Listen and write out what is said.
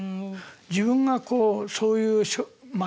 自分がそういうまあ